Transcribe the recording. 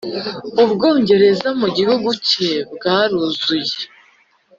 ubwongereza mu gihu cye bwaruzuye;